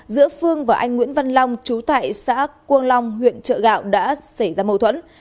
giữa phương và anh nguyễn văn long trú tại xã quân long huyện chợ gạo đã xảy ra bầu thuẫn